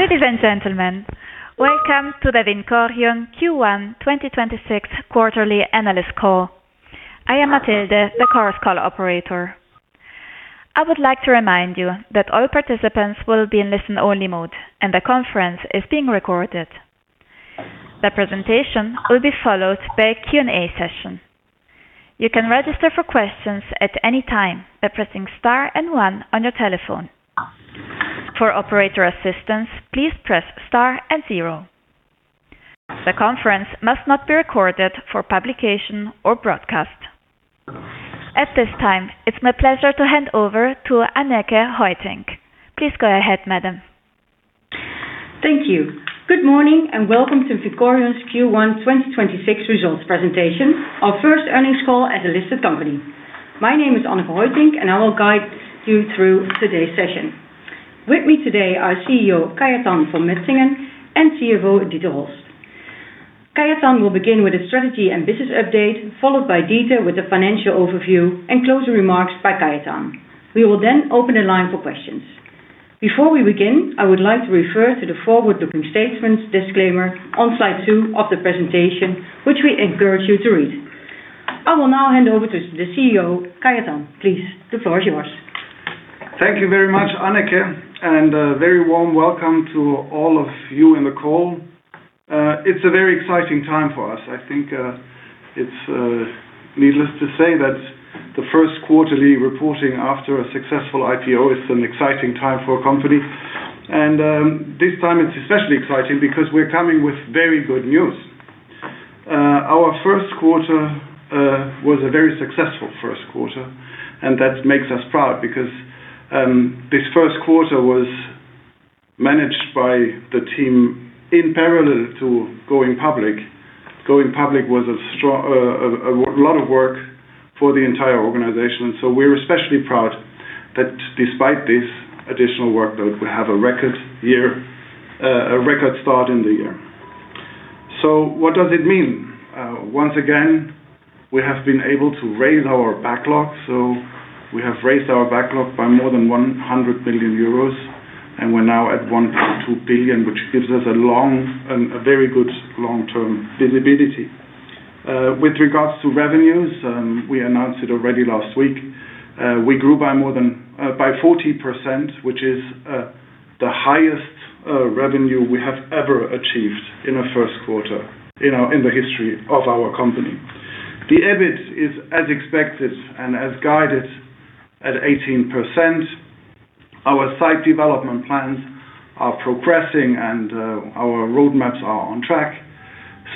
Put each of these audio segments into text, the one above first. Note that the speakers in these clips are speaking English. Ladies and gentlemen, welcome to the VINCORION Q1 2026 Quarterly Analyst Call. I am Matilde, the call's call operator. I would like to remind you that all participants will be in listen-only mode, and the conference is being recorded. The presentation will be followed by a Q&A session. You can register for questions at any time by pressing star and one on your telephone. For operator assistance, please press star and zero. The conference must not be recorded for publication or broadcast. At this time, it's my pleasure to hand over to Anneke Hoijtink. Please go ahead, madam. Thank you. Good morning and welcome to VINCORION's Q1 2026 results presentation, our first earnings call as a listed company. My name is Anneke Hoijtink. I will guide you through today's session. With me today are CEO Kajetan von Mentzingen and CFO Dieter Holst. Kajetan will begin with a strategy and business update, followed by Dieter with a financial overview and closing remarks by Kajetan. We will open the line for questions. Before we begin, I would like to refer to the forward-looking statements disclaimer on slide two of the presentation, which we encourage you to read. I will now hand over to the CEO, Kajetan. Please, the floor is yours. Thank you very much, Anneke, and a very warm welcome to all of you in the call. It's a very exciting time for us. I think it's needless to say that the first quarterly reporting after a successful IPO is an exciting time for a company. This time it's especially exciting because we're coming with very good news. Our first quarter was a very successful first quarter, and that makes us proud because this first quarter was managed by the team in parallel to going public. Going public was a lot of work for the entire organization, and so we're especially proud that despite this additional workload, we have a record start in the year. What does it mean? Once again, we have been able to raise our backlog, we have raised our backlog by more than 100 million euros, and we're now at 1.2 billion, which gives us a very good long-term visibility. With regards to revenues, we announced it already last week, we grew by more than 40%, which is the highest revenue we have ever achieved in a first quarter in the history of our company. The EBIT is as expected and as guided at 18%. Our site development plans are progressing, and our roadmaps are on track.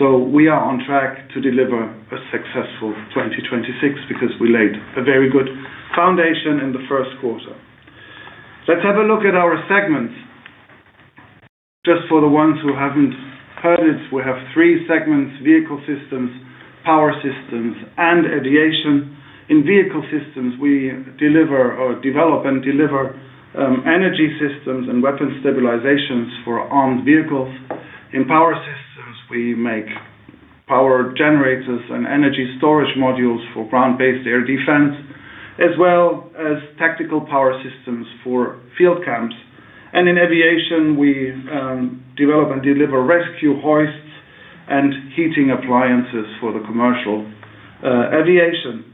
We are on track to deliver a successful 2026 because we laid a very good foundation in the first quarter. Let's have a look at our segments. Just for the ones who haven't heard it, we have three segments: Vehicle Systems, Power Systems, and Aviation. In Vehicle Systems, we develop and deliver energy systems and weapon stabilization for armed vehicles. In Power Systems, we make power generators and energy storage modules for ground-based air defense, as well as Tactical Power Systems for field camps. In Aviation, we develop and deliver rescue hoists and heating systems for the commercial aviation.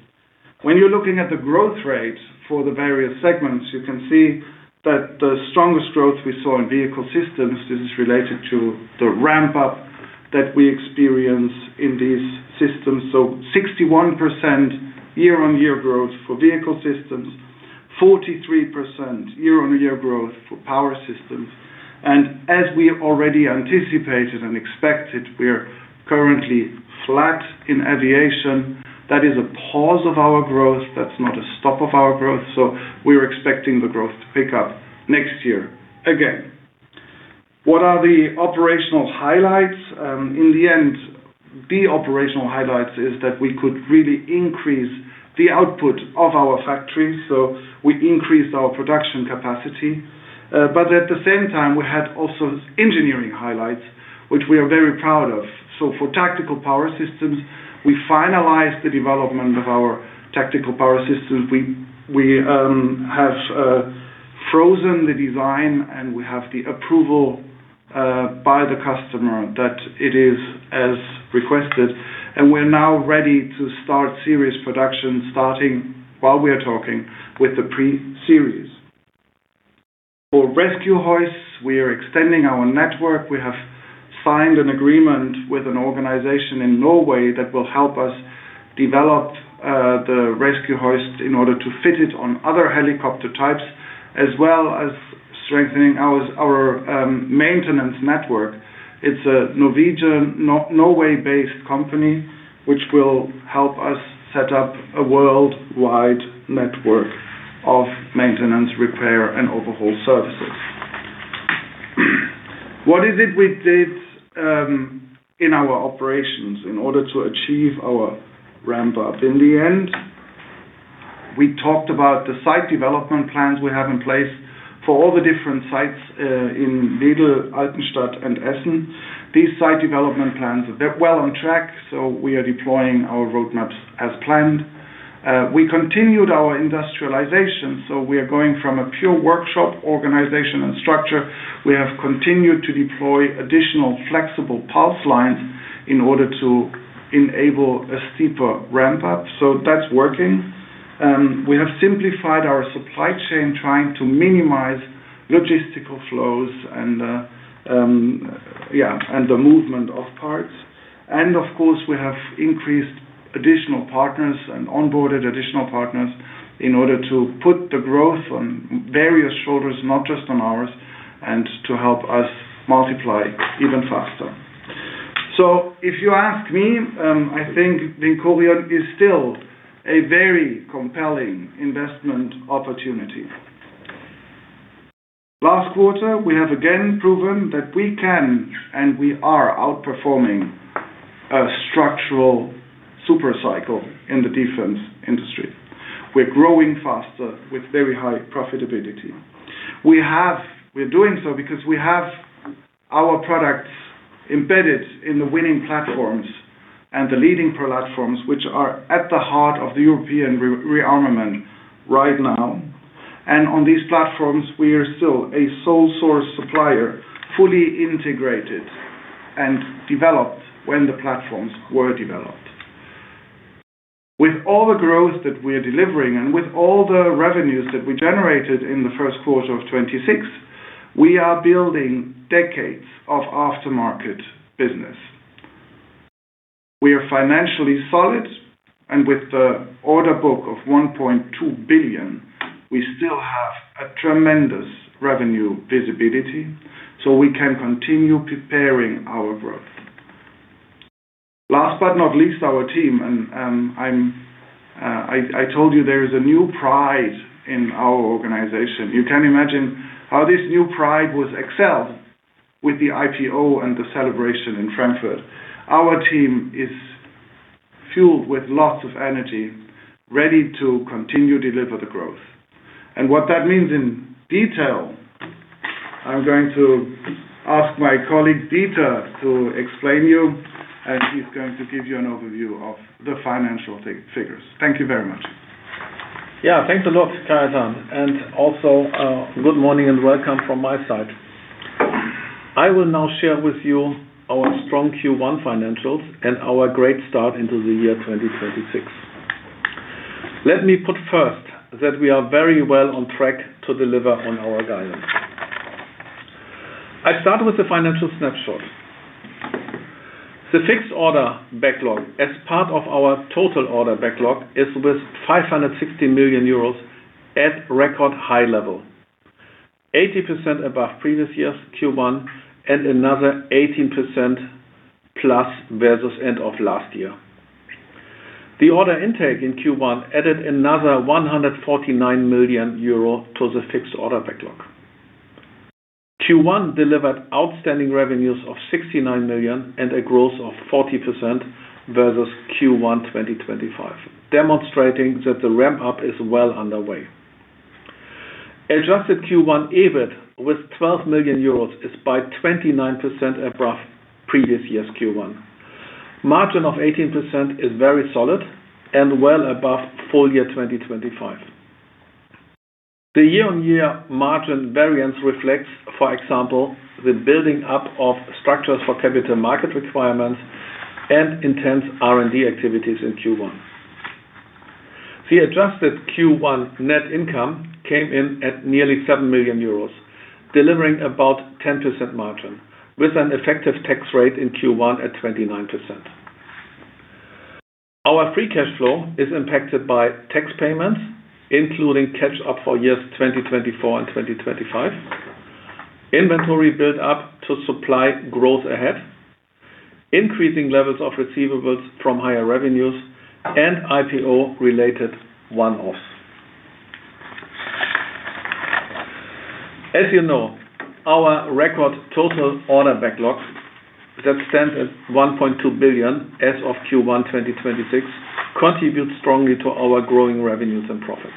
When you're looking at the growth rate for the various segments, you can see that the strongest growth we saw in Vehicle Systems. This is related to the ramp-up that we experienced in these systems, so 61% year-on-year growth for Vehicle Systems, 43% year-on-year growth for Power Systems. As we already anticipated and expected, we're currently flat in Aviation. That is a pause of our growth. That's not a stop of our growth, so we're expecting the growth to pick up next year again. What are the operational highlights? The operational highlights is that we could really increase the output of our factories. We increased our production capacity. At the same time, we had also engineering highlights, which we are very proud of. For Tactical Power Systems, we finalized the development of our Tactical Power Systems. We have frozen the design, and we have the approval by the customer that it is as requested, and we're now ready to start series production, starting while we are talking with the pre-series. For rescue hoists, we are extending our network. We have signed an agreement with an organization in Norway that will help us develop the rescue hoist in order to fit it on other helicopter types, as well as strengthening our maintenance network. It's a Norway-based company which will help us set up a worldwide network of maintenance, repair, and overhaul services. What is it we did in our operations in order to achieve our ramp-up? We talked about the site development plans we have in place for all the different sites in Wedel, Altenstadt and Essen. These site development plans are well on track. We are deploying our roadmaps as planned. We continued our industrialization, we are going from a pure workshop organization and structure. We have continued to deploy additional flexible pulse lines in order to enable a steeper ramp-up, so that's working. We have simplified our supply chain, trying to minimize logistical flows and the movement of parts. Of course, we have increased additional partners and onboarded additional partners in order to put the growth on various shoulders, not just on ours, and to help us multiply even faster. If you ask me, I think VINCORION is still a very compelling investment opportunity. Last quarter, we have again proven that we can, and we are outperforming a structural supercycle in the defense industry. We're growing faster with very high profitability. We're doing so because we have our products embedded in the winning platforms and the leading platforms, which are at the heart of the European rearmament right now. On these platforms, we are still a sole-source supplier, fully integrated and developed when the platforms were developed. With all the growth that we are delivering and with all the revenues that we generated in the first quarter of 2026, we are building decades of aftermarket business. We are financially solid, and with the order book of 1.2 billion, we still have a tremendous revenue visibility, so we can continue preparing our growth. Last but not least, our team. I told you there is a new pride in our organization. You can imagine how this new pride was excelled with the IPO and the celebration in Frankfurt. Our team is fueled with lots of energy, ready to continue to deliver the growth. What that means in detail, I'm going to ask my colleague Dieter to explain to you, and he's going to give you an overview of the financial figures. Thank you very much. Yeah, thanks a lot, Kajetan. Also, good morning and welcome from my side. I will now share with you our strong Q1 financials and our great start into the year 2026. Let me put first that we are very well on track to deliver on our guidance. I start with the financial snapshot. The fixed order backlog, as part of our total order backlog, is with 560 million euros at record high level, 80% above previous year's Q1 and another 18%+ versus end of last year. The order intake in Q1 added another 149 million euro to the fixed order backlog. Q1 delivered outstanding revenues of 69 million and a growth of 40% versus Q1 2025, demonstrating that the ramp-up is well underway. Adjusted Q1 EBIT with 12 million euros is by 29% above previous year's Q1. Margin of 18% is very solid and well above full year 2025. The year-on-year margin variance reflects, for example, the building up of structures for capital market requirements and intense R&D activities in Q1. The adjusted Q1 net income came in at nearly 7 million euros, delivering about 10% margin, with an effective tax rate in Q1 at 29%. Our free cash flow is impacted by tax payments, including catch-up for years 2024 and 2025, inventory build-up to supply growth ahead, increasing levels of receivables from higher revenues, and IPO-related one-offs. As you know, our record total order backlog, that stands at 1.2 billion as of Q1 2026, contributes strongly to our growing revenues and profits.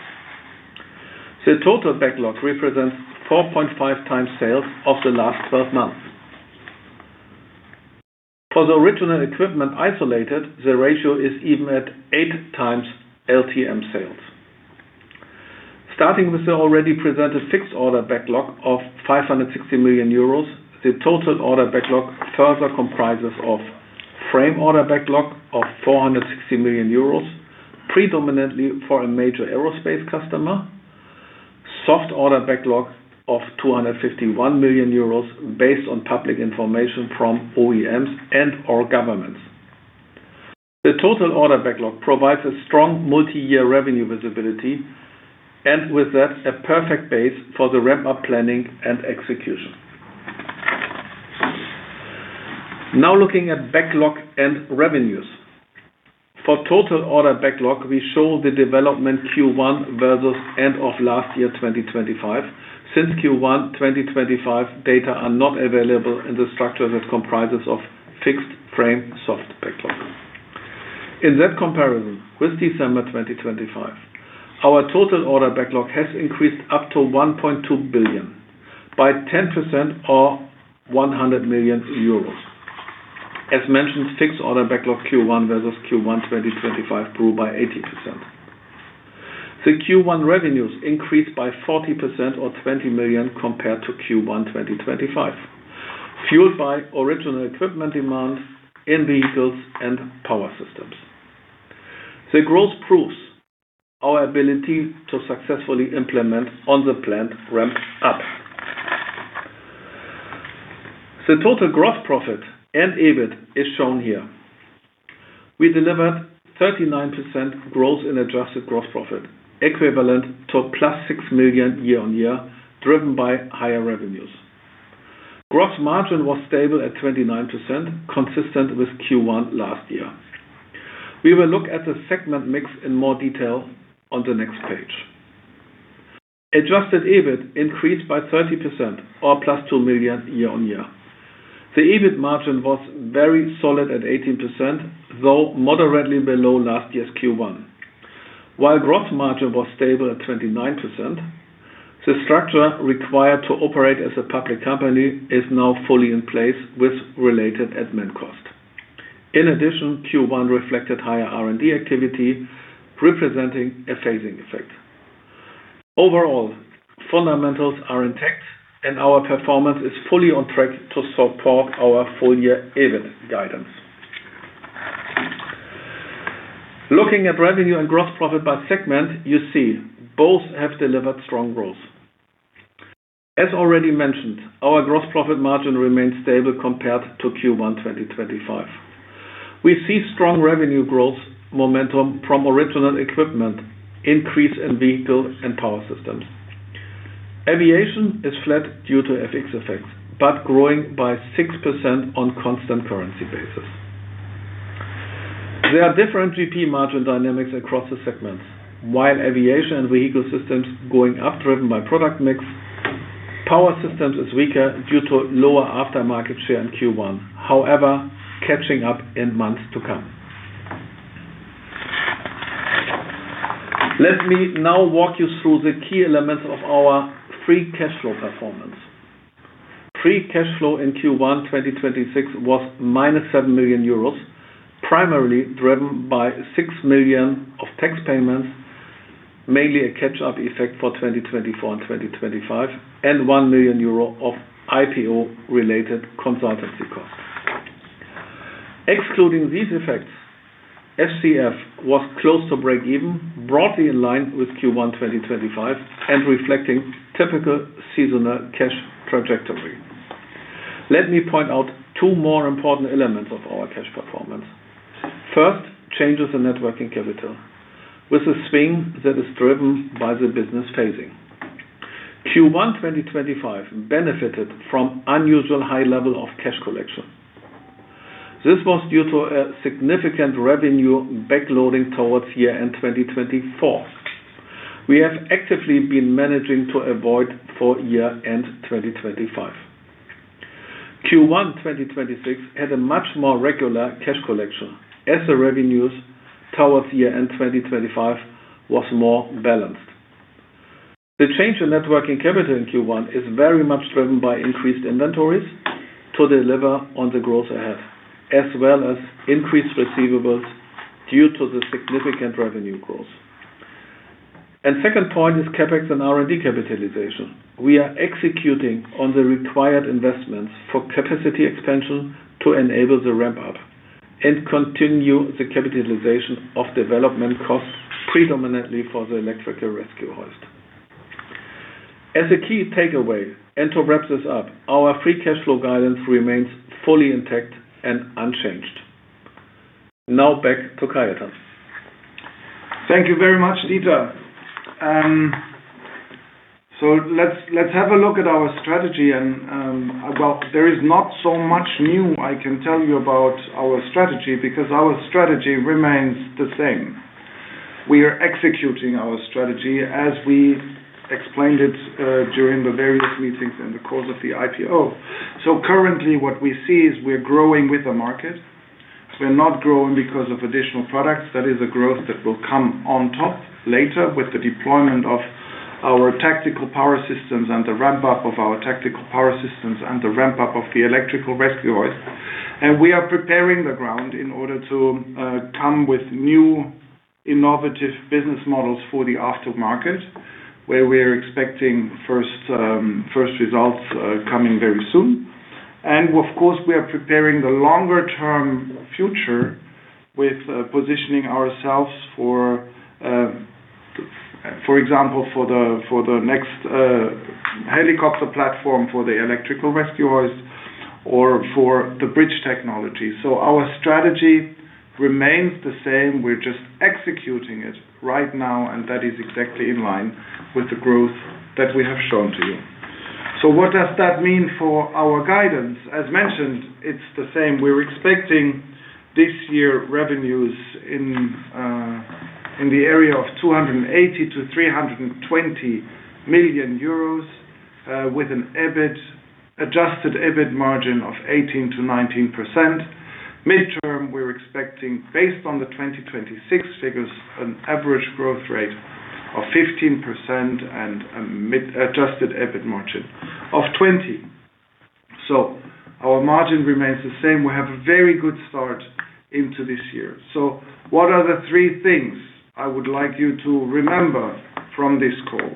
The total backlog represents 4.5x sales of the last 12 months. For the original equipment isolated, the ratio is even at 8x LTM sales. Starting with the already presented fixed order backlog of 560 million euros, the total order backlog further comprises of frame order backlog of 460 million euros, predominantly for a major aerospace customer, soft order backlog of 251 million euros based on public information from OEMs and/or governments. The total order backlog provides a strong multi-year revenue visibility and, with that, a perfect base for the ramp-up planning and execution. Looking at backlog and revenues. For total order backlog, we show the development Q1 versus end of last year 2025. Since Q1 2025, data are not available in the structure that comprises of fixed frame soft backlog. In that comparison with December 2025, our total order backlog has increased up to 1.2 billion by 10% or 100 million euros. As mentioned, fixed order backlog Q1 versus Q1 2025 grew by 80%. The Q1 revenues increased by 40% or 20 million compared to Q1 2025, fueled by original equipment demand in Vehicles and Power Systems. The growth proves our ability to successfully implement on-the-plant ramp-up. The total gross profit and EBIT is shown here. We delivered 39% growth in adjusted gross profit, equivalent to + 6 million year-on-year, driven by higher revenues. Gross margin was stable at 29%, consistent with Q1 last year. We will look at the segment mix in more detail on the next page. Adjusted EBIT increased by 30% or + 2 million year-on-year. The EBIT margin was very solid at 18%, though moderately below last year's Q1. While gross margin was stable at 29%, the structure required to operate as a public company is now fully in place with related admin costs. In addition, Q1 reflected higher R&D activity, representing a phasing effect. Overall, fundamentals are intact, and our performance is fully on track to support our full-year EBIT guidance. Looking at revenue and gross profit by segment, you see both have delivered strong growth. As already mentioned, our gross profit margin remains stable compared to Q1 2025. We see strong revenue growth momentum from original equipment, increase in Vehicle and Power Systems. Aviation is flat due to FX effects, but growing by 6% on constant currency basis. There are different GP margin dynamics across the segments. While Aviation and Vehicle Systems are going up, driven by product mix, Power Systems are weaker due to lower aftermarket share in Q1; however, catching up in months to come. Let me now walk you through the key elements of our free cash flow performance. Free cash flow in Q1 2026 was -7 million euros, primarily driven by 6 million of tax payments, mainly a catch-up effect for 2024 and 2025, and 1 million euro of IPO-related consultancy costs. Excluding these effects, FCF was close to break even, broadly in line with Q1 2025 and reflecting typical seasonal cash trajectory. Let me point out two more important elements of our cash performance. First, changes in net working capital with a swing that is driven by the business phasing. Q1 2025 benefited from unusual high levels of cash collection. This was due to a significant revenue backloading towards year-end 2024, which we have actively been managing to avoid for year-end 2025. Q1 2026 had a much more regular cash collection, as the revenues towards year-end 2025 were more balanced. The change in net working capital in Q1 is very much driven by increased inventories to deliver on the growth ahead, as well as increased receivables due to the significant revenue growth. Second point is CapEx and R&D capitalization. We are executing on the required investments for capacity expansion to enable the ramp-up and continue the capitalization of development costs, predominantly for the electrical rescue hoist. As a key takeaway, and to wrap this up, our free cash flow guidance remains fully intact and unchanged. Back to Kajetan. Thank you very much, Dieter. Let's have a look at our strategy. Well, there is not so much new I can tell you about our strategy because our strategy remains the same. We are executing our strategy as we explained it during the various meetings in the course of the IPO. Currently, what we see is we're growing with the market. We're not growing because of additional products. That is a growth that will come on top later with the deployment of our Tactical Power Systems and the ramp-up of our Tactical Power Systems and the ramp-up of the electrical rescue hoist. We are preparing the ground in order to come with new innovative business models for the aftermarket, where we are expecting first results coming very soon. Of course, we are preparing the longer-term future with positioning ourselves, for example, for the next helicopter platform for the electrical rescue hoist or for the bridge technology. Our strategy remains the same. We're just executing it right now, and that is exactly in line with the growth that we have shown to you. What does that mean for our guidance? As mentioned, it's the same. We're expecting this year revenues in the area of 280 million-320 million euros with an adjusted EBIT margin of 18%-19%. Midterm, we're expecting, based on the 2026 figures, an average growth rate of 15% and an adjusted EBIT margin of 20%. Our margin remains the same. We have a very good start into this year. What are the three things I would like you to remember from this call?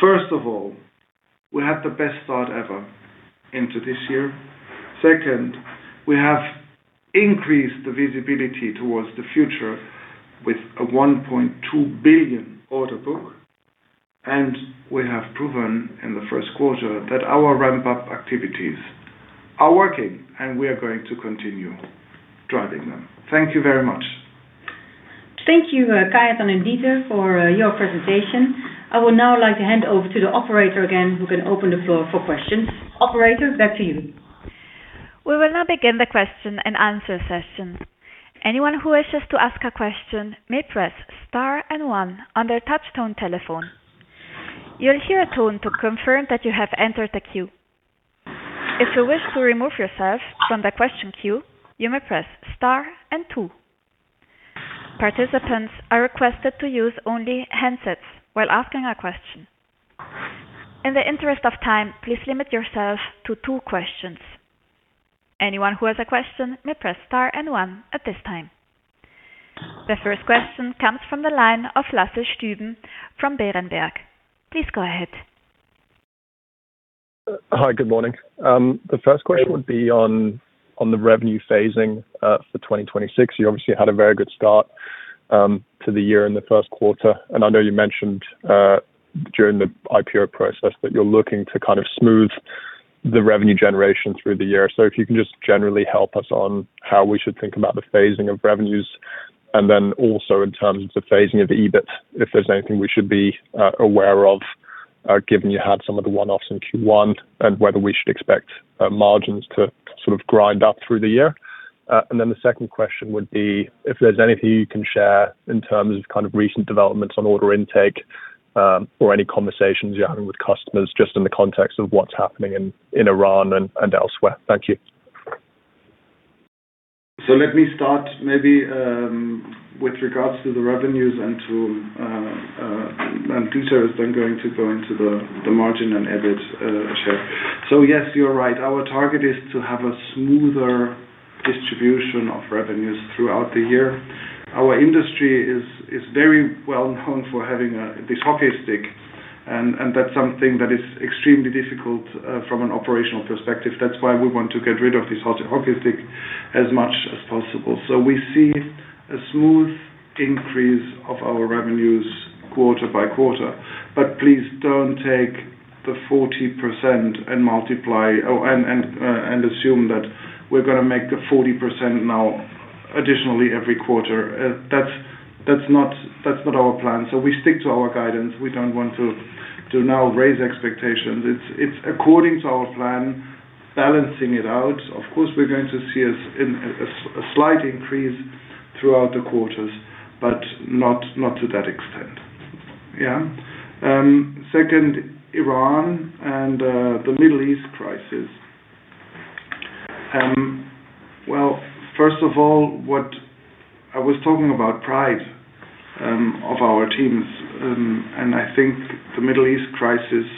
First of all, we had the best start ever into this year. Second, we have increased the visibility towards the future with a 1.2 billion order book. We have proven in the first quarter that our ramp-up activities are working, and we are going to continue driving them. Thank you very much. Thank you, Kajetan and Dieter, for your presentation. I would now like to hand over to the operator again, who can open the floor for questions. Operator, back to you. We will now begin the question and answer session. Anyone who wishes to ask a question may press star and one on their touchstone telephone. You'll hear a tone to confirm that you have entered the queue. If you wish to remove yourself from the question queue, you may press star and two. Participants are requested to use only headsets while asking a question. In the interest of time, please limit yourself to two questions. Anyone who has a question may press star and one at this time. The first question comes from the line of Lasse Stüben from Berenberg. Please go ahead. Hi, good morning. The first question would be on the revenue phasing for 2026. You obviously had a very good start to the year in the first quarter. I know you mentioned during the IPO process that you're looking to kind of smooth the revenue generation through the year. If you can just generally help us on how we should think about the phasing of revenues and then also in terms of the phasing of EBIT, if there's anything we should be aware of, given you had some of the one-offs in Q1 and whether we should expect margins to sort of grind up through the year. Then the second question would be if there's anything you can share in terms of kind of recent developments on order intake or any conversations you're having with customers, just in the context of what's happening in Iran and elsewhere. Thank you. Let me start, maybe with regards to the revenues, and Dieter is then going to go into the margin and EBIT share. Yes, you're right. Our target is to have a smoother distribution of revenues throughout the year. Our industry is very well known for having this hockey stick, and that's something that is extremely difficult from an operational perspective. That's why we want to get rid of this hockey stick as much as possible. We see a smooth increase of our revenues quarter by quarter. Please don't take the 40% and multiply and assume that we're going to make the 40% now, additionally every quarter. That's not our plan. We stick to our guidance. We don't want to now raise expectations. It's according to our plan, balancing it out. Of course, we're going to see a slight increase throughout the quarters, but not to that extent. Yeah. Second, Iran and the Middle East crisis. Well, first of all, what I was talking about, pride of our teams. I think the Middle East crisis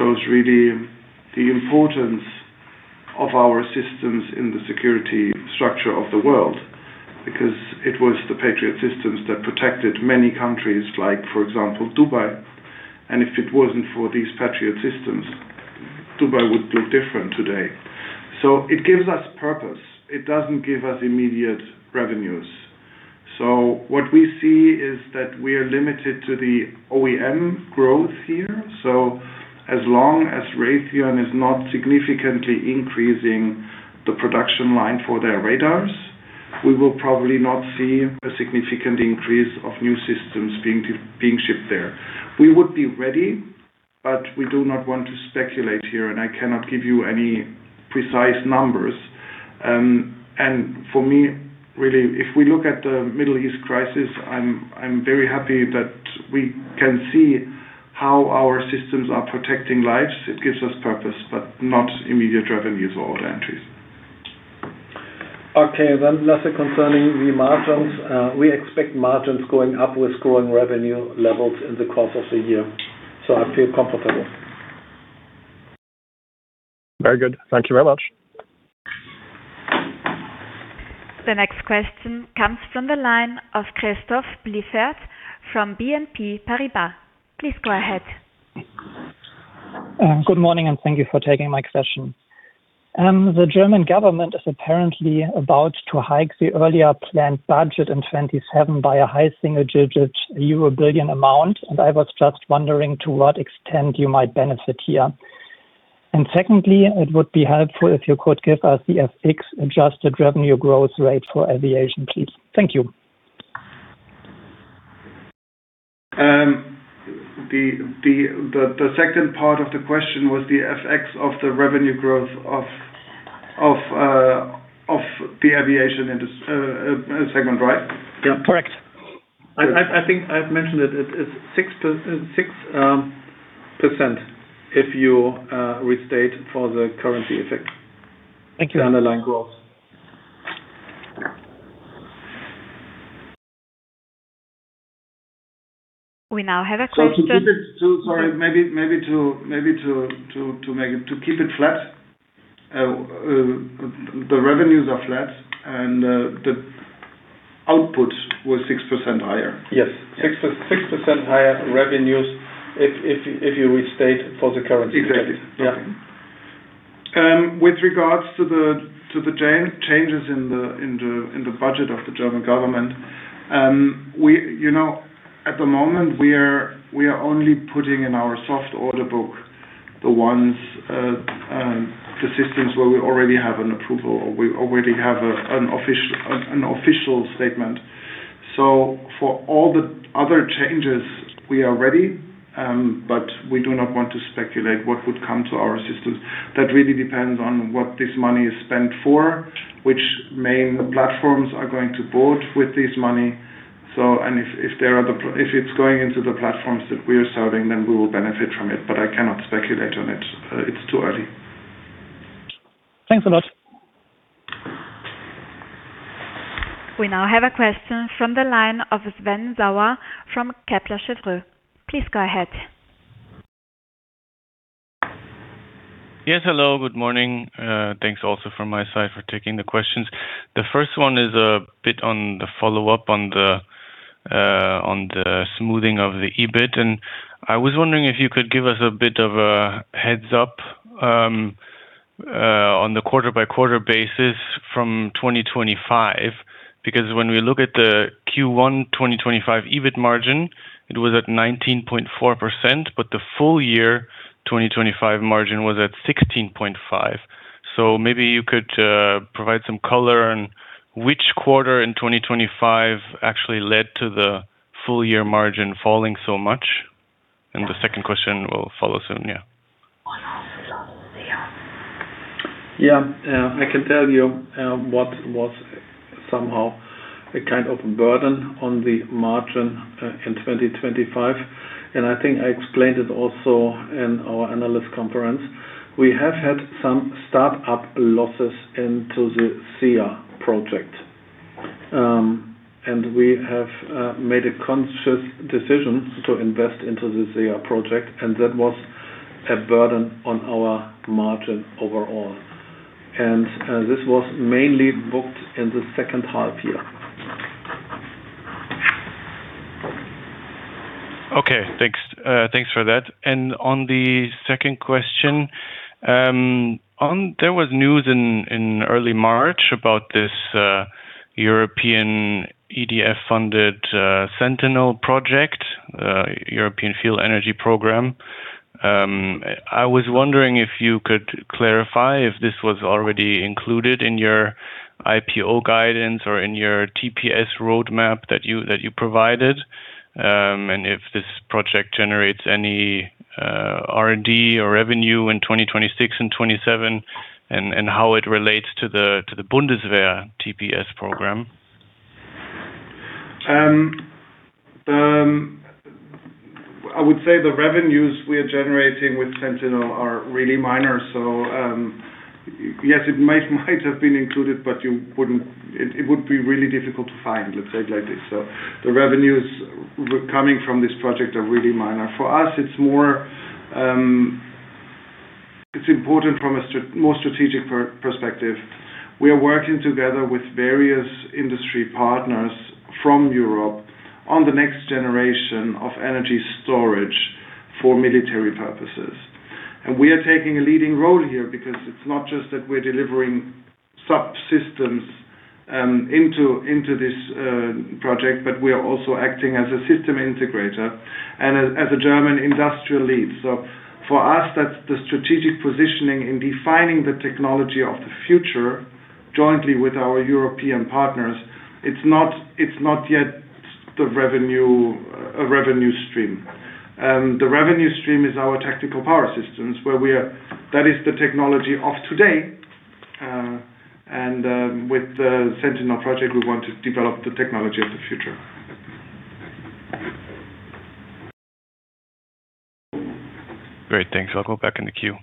shows really the importance of our systems in the security structure of the world because it was the Patriot systems that protected many countries, like, for example, Dubai. If it wasn't for these Patriot systems, Dubai would look different today. It gives us purpose. It doesn't give us immediate revenues. What we see is that we are limited to the OEM growth here. As long as Raytheon is not significantly increasing the production line for their radars, we will probably not see a significant increase of new systems being shipped there. We would be ready, but we do not want to speculate here. I cannot give you any precise numbers. For me, really, if we look at the Middle East crisis, I'm very happy that we can see how our systems are protecting lives. It gives us purpose, but not immediate revenues or other entries. Okay. Lasse, concerning the margins, we expect margins going up with growing revenue levels in the course of the year. I feel comfortable. Very good. Thank you very much. The next question comes from the line of Christoph Blieffert from BNP Paribas. Please go ahead. Good morning, and thank you for taking my question. The German government is apparently about to hike the earlier planned budget in 2027 by a high single-digit euro billion amount. I was just wondering to what extent you might benefit here. Secondly, it would be helpful if you could give us the FX-adjusted revenue growth rate for Aviation, please. Thank you. The second part of the question was the FX of the revenue growth of the Aviation segment, right? Yeah, correct. I think I've mentioned it. It's 6% if you restate for the currency effect, the underlying growth. We now have a question. To keep it flat, the revenues are flat, and the output was 6% higher. Yes, 6% higher revenues if you restate for the currency effect. Exactly. With regards to the changes in the budget of the German government, at the moment, we are only putting in our soft order book the systems where we already have an approval, or we already have an official statement. For all the other changes, we are ready, but we do not want to speculate what would come to our systems. That really depends on what this money is spent for, which main platforms are going to board with this money. If it's going into the platforms that we are serving, then we will benefit from it. I cannot speculate on it. It's too early. Thanks a lot. We now have a question from the line of Sven Sauer from Kepler Cheuvreux. Please go ahead. Yes, hello. Good morning. Thanks also from my side for taking the questions. The first one is a bit on the follow-up on the smoothing of the EBIT. I was wondering if you could give us a bit of a heads-up on the quarter-by-quarter basis from 2025, because when we look at the Q1 2025 EBIT margin, it was at 19.4%, but the full year 2025 margin was at 16.5%. Maybe you could provide some color on which quarter in 2025 actually led to the full-year margin falling so much. The second question will follow soon. Yeah. Yeah. I can tell you what was somehow a kind of burden on the margin in 2025. I think I explained it also in our analyst conference. We have had some startup losses into the SEA project. We have made a conscious decision to invest into the SEA project, and that was a burden on our margin overall. This was mainly booked in the second half year. Okay. Thanks for that. On the second question, there was news in early March about this European EDF-funded SENTINEL project, European Fuel Energy Program. I was wondering if you could clarify if this was already included in your IPO guidance or in your TPS roadmap that you provided, and if this project generates any R&D or revenue in 2026 and 2027, and how it relates to the Bundeswehr TPS program. I would say the revenues we are generating with SENTINEL are really minor. Yes, it might have been included, but it would be really difficult to find, let's say it like this. The revenues coming from this project are really minor. For us, it's important from a more strategic perspective. We are working together with various industry partners from Europe on the next generation of energy storage for military purposes. We are taking a leading role here because it's not just that we're delivering subsystems into this project, but we are also acting as a system integrator and as a German industrial lead. For us, that's the strategic positioning in defining the technology of the future jointly with our European partners. It's not yet a revenue stream. The revenue stream is our Tactical Power Systems where we are that is the technology of today. With the SENTINEL project, we want to develop the technology of the future. Great. Thanks. I will go back in the queue.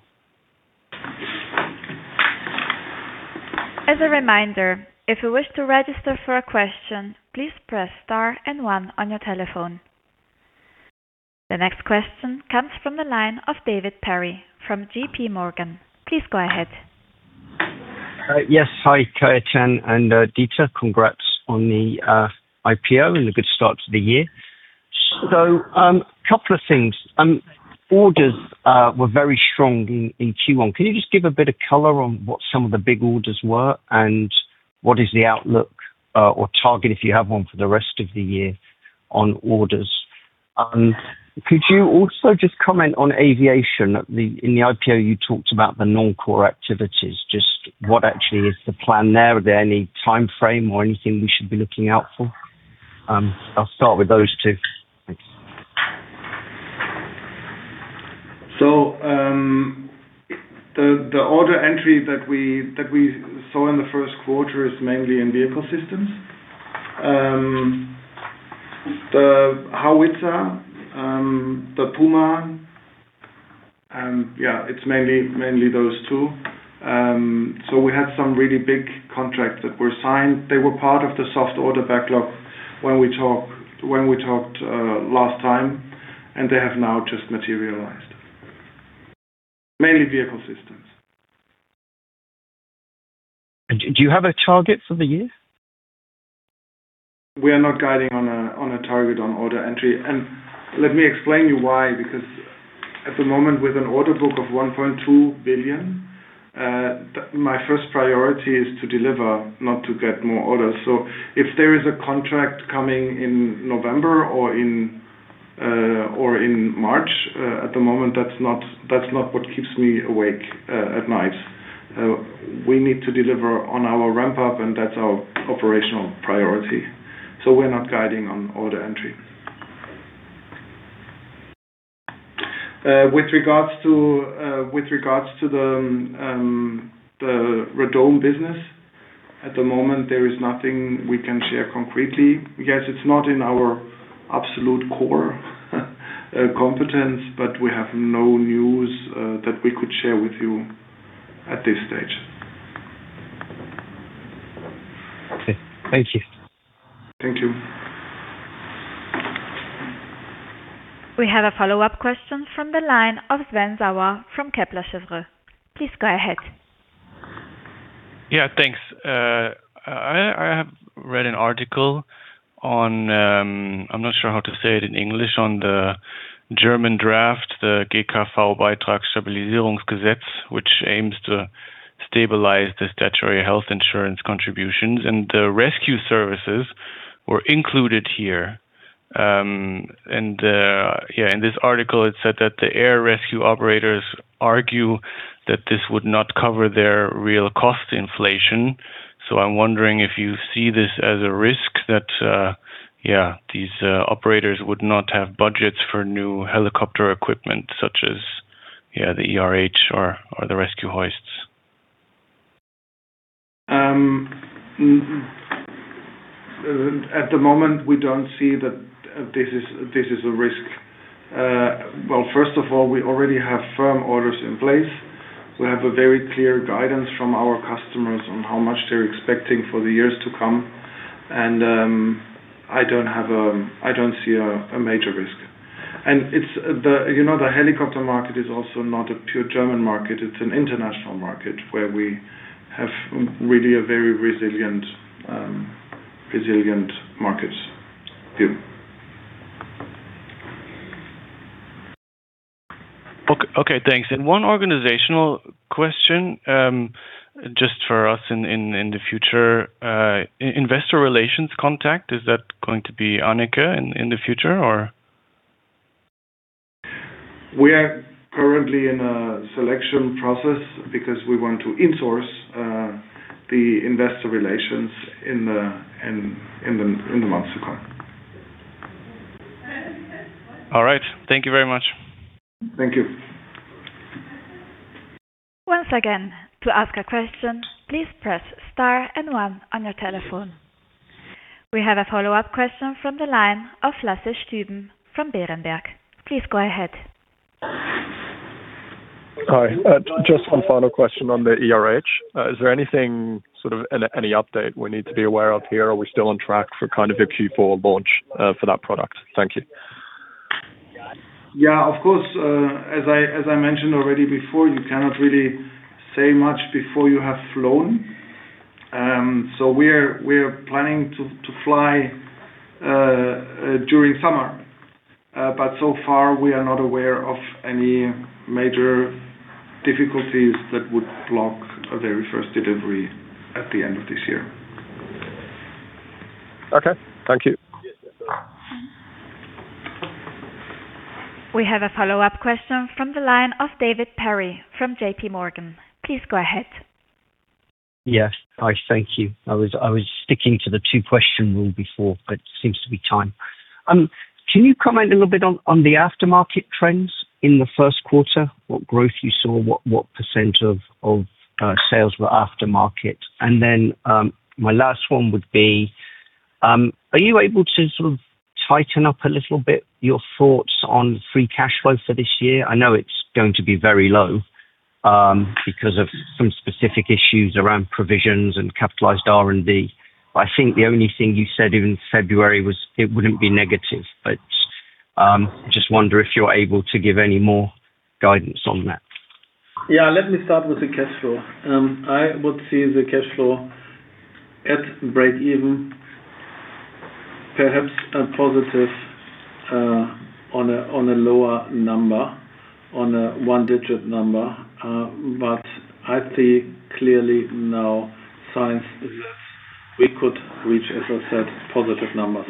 The next question comes from the line of David Perry from JPMorgan. Please go ahead. Yes. Hi, Kajetan von Mentzingen and Dieter. Congrats on the IPO and the good start to the year. A couple of things. Orders were very strong in Q1. Can you just give a bit of color on what some of the big orders were and what is the outlook or target, if you have one, for the rest of the year on orders? Could you also just comment on Aviation? In the IPO, you talked about the non-core activities. Just what actually is the plan there? Are there any timeframe or anything we should be looking out for? I'll start with those two. The order entry that we saw in the first quarter is mainly in Vehicle Systems, the Howitzer, the Puma. It's mainly those two. We had some really big contracts that were signed. They were part of the soft order backlog when we talked last time, and they have now just materialized, mainly Vehicle Systems. Do you have a target for the year? We are not guiding on a target on order entry. Let me explain you why. At the moment, with an order book of 1.2 billion, my first priority is to deliver, not to get more orders. If there is a contract coming in November or in March, at the moment, that's not what keeps me awake at night. We need to deliver on our ramp-up, and that's our operational priority. We're not guiding on order entry. With regards to the radome business, at the moment, there is nothing we can share concretely. Yes, it's not in our absolute core competence, but we have no news that we could share with you at this stage. Okay. Thank you. Thank you. We have a follow-up question from the line of Sven Sauer from Kepler Cheuvreux. Please go ahead. Yeah, thanks. I have read an article on I'm not sure how to say it in English on the German draft, the GKV-Beitragssatzstabilisierungsgesetz, which aims to stabilize the statutory health insurance contributions. The rescue services were included here. Yeah, in this article, it said that the air rescue operators argue that this would not cover their real cost inflation. I'm wondering if you see this as a risk that, yeah, these operators would not have budgets for new helicopter equipment, such as the ERH or the rescue hoists. At the moment, we don't see that this is a risk. Well, first of all, we already have firm orders in place. We have very clear guidance from our customers on how much they're expecting for the years to come. I don't see a major risk. The helicopter market is also not a pure German market. It's an international market where we have really a very resilient market view. Okay. Thanks. One organizational question just for us in the future, investor relations contact, is that going to be Anneke in the future, or? We are currently in a selection process because we want to insource the investor relations in the VINCORION. All right. Thank you very much. Thank you. Once again, to ask a question, please press star one on your telephone. We have a follow-up question from the line of Lasse Stüben from Berenberg. Please go ahead. Hi. Just one final question on the ERH. Is there anything sort of any update we need to be aware of here? Are we still on track for kind of a Q4 launch for that product? Thank you. Yeah, of course. As I mentioned already before, you cannot really say much before you have flown. We are planning to fly during summer. So far, we are not aware of any major difficulties that would block a very first delivery at the end of this year. Okay. Thank you. We have a follow-up question from the line of David Perry from JPMorgan. Please go ahead. Yes. Hi. Thank you. I was sticking to the two questions from before. It seems to be time. Can you comment a little bit on the aftermarket trends in the first quarter, what growth you saw? What percent of sales were aftermarket? My last one would be, are you able to sort of tighten up a little your thoughts on free cash flow for this year? I know it's going to be very low because of some specific issues around provisions and capitalized R&D. I think the only thing you said in February was it wouldn't be negative. I just wonder if you're able to give any more guidance on that. Yeah. Let me start with the cash flow. I would see the cash flow at break-even, perhaps positive on a lower number, on a one-digit number. I see clearly now signs that we could reach, as I said, positive numbers.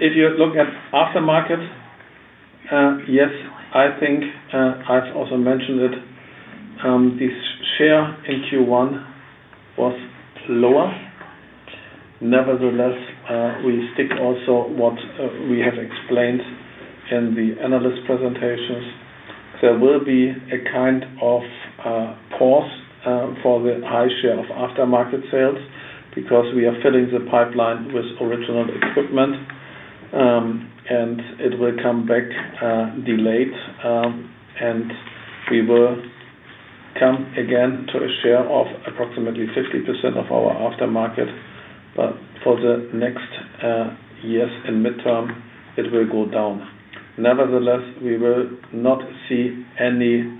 If you're looking at aftermarket, yes, I think I've also mentioned it. This share in Q1 was lower. Nevertheless, we stick also what we have explained in the analyst presentations. There will be a kind of pause for the high share of aftermarket sales because we are filling the pipeline with original equipment. It will come back delayed. We will come again to a share of approximately 50% of our aftermarket. For the next years, in midterm, it will go down. Nevertheless, we will not see any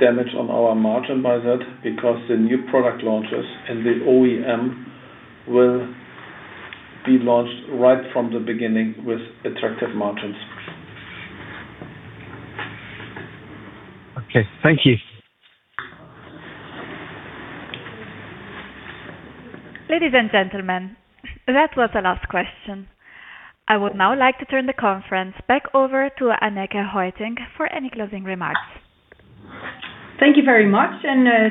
damage on our margin by that because the new product launches and the OEM will be launched right from the beginning with attractive margins. Okay. Thank you. Ladies and gentlemen, that was the last question. I would now like to turn the conference back over to Anneke Hoijtink for any closing remarks. Thank you very much.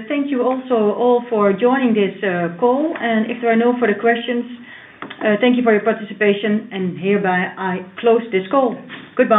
Thank you also all for joining this call. If there are no further questions, thank you for your participation. Hereby, I close this call. Goodbye.